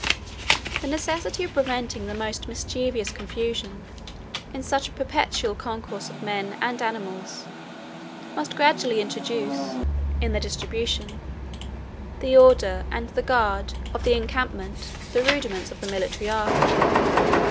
The necessity of preventing the most mischievous confusion, in such a perpetual concourse of men and animals, must gradually introduce, in the distribution, the order, and the guard, of the encampment, the rudiments of the military art.